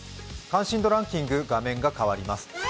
関心度ランキング画面が変わります。